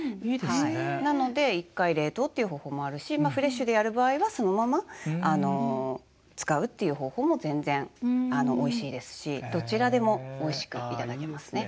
なので一回冷凍っていう方法もあるしフレッシュでやる場合はそのまま使うっていう方法も全然おいしいですしどちらでもおいしく頂けますね。